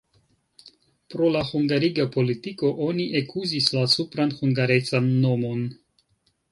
Pro la hungariga politiko oni ekuzis la supran hungarecan nomon.